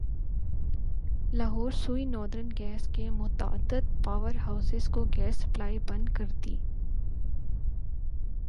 Lahore Sui northern gas نے متعدد power houses کو گیس سپلائی بند کر دی